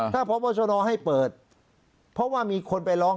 ถ้าพบชนให้เปิดเพราะว่ามีคนไปร้อง